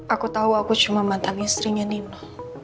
aku tahu aku cuma mantan istrinya nino